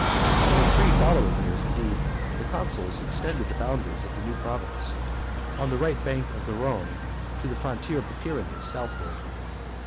In the three following years, indeed, the consuls extended the boundaries of the new province, on the right bank of the Rhone, to the frontier of the Pyrenees southward.